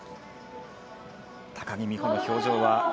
高木美帆の表情は。